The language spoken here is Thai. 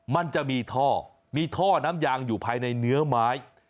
มันจะมีท่อมีท่อน้ำยางอยู่ภายในเนื้อไม้